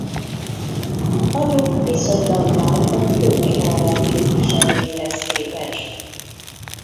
Agyuk viszonylag nagy a többi alrend képviselőihez képest.